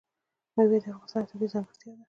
مېوې د افغانستان یوه طبیعي ځانګړتیا ده.